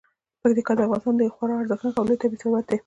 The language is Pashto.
پکتیکا د افغانستان یو خورا ارزښتناک او لوی طبعي ثروت دی.